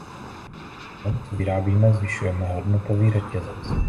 V tom, co vyrábíme, zvyšujeme hodnotový řetězec.